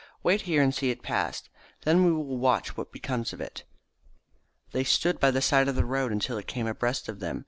"Wait here and see it pass. Then we will watch what becomes of it." They stood by the side of the road until it came abreast of them.